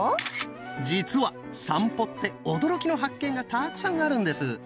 実は散歩って驚きの発見がたくさんあるんです。